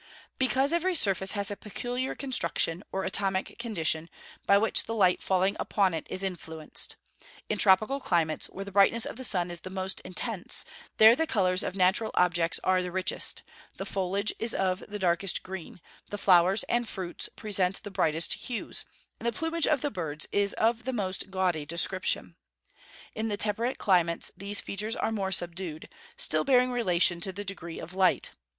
_ Because every surface has a peculiar constitution, or atomic condition, by which the light falling upon it is influenced. In tropical climates, where the brightness of the sun is the most intense, there the colours of natural objects are the richest; the foliage is of the darkest green; the flowers and fruits present the brightest hues; and the plumage of the birds is of the most gaudy description. In the temperate climates these features are more subdued, still bearing relation to the degree of light.